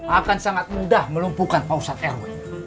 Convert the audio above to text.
akan sangat mudah melumpukan pausat rw